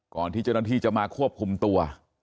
ที่เจ้าหน้าที่จะมาควบคุมตัว